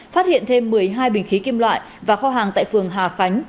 phát hiện thêm một mươi hai bình khí kim loại và kho hàng tại phường hà khánh